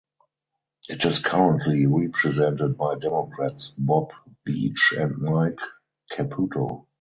It is currently represented by Democrats Bob Beach and Mike Caputo.